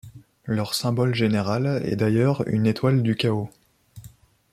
Leur symbole général est d'ailleurs une Étoile du Chaos.